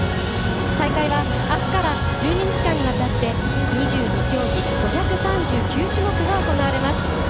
大会はあすから１２日間にわたって２２競技５３９種目が行われます。